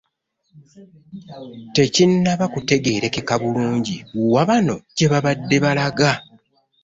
Tekinnaba kutegeerekeka bulungi wa bano gye baabadde balaga.